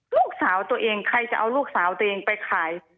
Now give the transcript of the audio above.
ลูกสาวตัวเองใครจะเอาลูกสาวตัวเองไปขาย